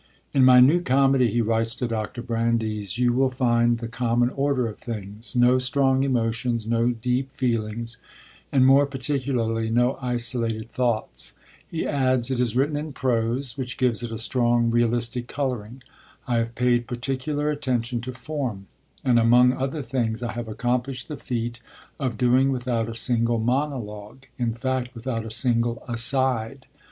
'In my new comedy,' he writes to Dr. Brandes, 'you will find the common order of things no strong emotions, no deep feelings, and, more particularly, no isolated thoughts.' He adds: 'It is written in prose, which gives it a strong realistic colouring. I have paid particular attention to form, and, among other things, I have accomplished the feat of doing without a single monologue, in fact without a single "aside."